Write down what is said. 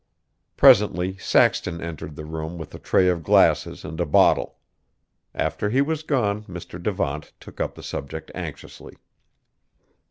Presently Saxton entered the room with a tray of glasses and a bottle. After he was gone, Mr. Devant took up the subject anxiously.